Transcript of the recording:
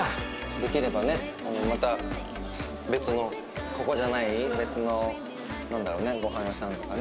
できればねまた別のここじゃない別のなんだろうねごはん屋さんとかね